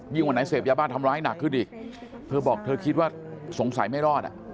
วันไหนเสพยาบ้าทำร้ายหนักขึ้นอีกเธอบอกเธอคิดว่าสงสัยไม่รอดอ่ะ